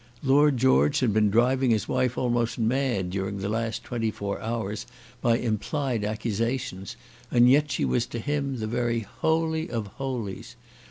Lord George had been driving his wife almost mad during the last twenty four hours by implied accusations, and yet she was to him the very holy of holies.